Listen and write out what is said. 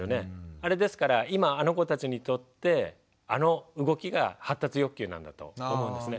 あれですから今あの子たちにとってあの動きが発達欲求なんだと思うんですね。